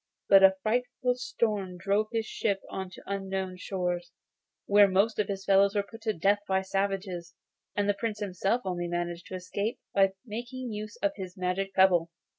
But a frightful storm drove his ship on to unknown shores, where most of his followers were put to death by the savages, and the Prince himself only managed to escape by making use of his magic pebble.